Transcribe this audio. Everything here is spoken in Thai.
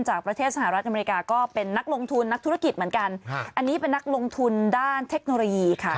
จากประเทศสหรัฐอเมริกาก็เป็นนักลงทุนนักธุรกิจเหมือนกันอันนี้เป็นนักลงทุนด้านเทคโนโลยีค่ะ